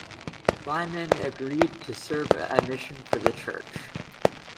Lyman agreed to serve a mission for the church.